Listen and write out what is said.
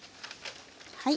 はい。